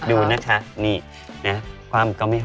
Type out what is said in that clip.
ดูนะคะนี่นะครับความก้าวไม่หก